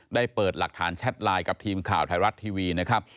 ได้เปิดหลักฐานแชทไลน์กับทีมข่าวไทยรัฐทีวี